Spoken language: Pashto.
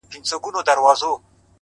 داسي قبـاله مي په وجـود كي ده-